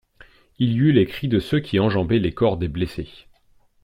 Il y eut les cris de ceux qui enjambaient les corps des blessés.